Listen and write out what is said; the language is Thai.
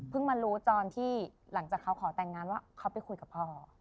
มารู้ตอนที่หลังจากเขาขอแต่งงานว่าเขาไปคุยกับพ่อ